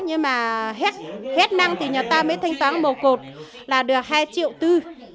nhưng mà hết năm thì người ta mới thanh toán màu cột là được hai triệu tư